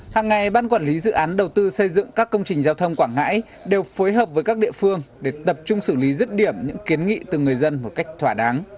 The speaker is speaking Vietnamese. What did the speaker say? hàng ngày ban quản lý dự án đầu tư xây dựng các công trình giao thông quảng ngãi đều phối hợp với các địa phương để tập trung xử lý rứt điểm những kiến nghị từ người dân một cách thỏa đáng